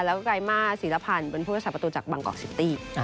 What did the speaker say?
แล้วก็กลายมาสีระพันธุ์เป็นผู้ชายประตูจากบางกอกซิตี้